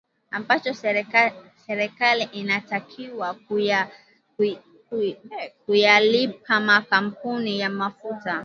ambacho serikali inatakiwa kuyalipa makampuni ya mafuta